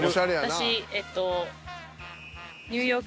私えっと。